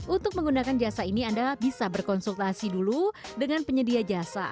untuk menggunakan jasa ini anda bisa berkonsultasi dulu dengan penyedia jasa